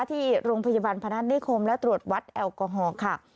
ที่โรงพยาบาลพนัฐนิคมและตรวจวัดแอลกอฮอล์ค่ะ